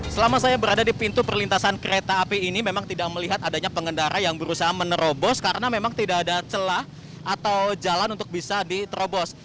selama saya berada di pintu perlintasan kereta api ini memang tidak melihat adanya pengendara yang berusaha menerobos karena memang tidak ada celah atau jalan untuk bisa diterobos